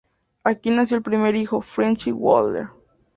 Aquí nació el primer hijo, Friedrich Wöhler.